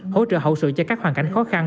hỗ trợ hậu sự cho các hoàn cảnh khó khăn